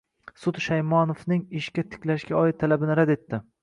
sud Shaymanovning ishga tiklashga oid talabini rad etdi.